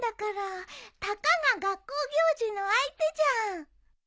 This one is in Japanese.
たかが学校行事の相手じゃん。